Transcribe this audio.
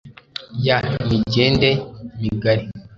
y h imigende migari